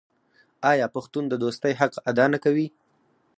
آیا پښتون د دوستۍ حق ادا نه کوي؟